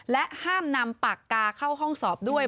และห้ามนำปากกาเข้าห้องสอบด้วย